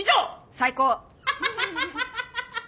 最高！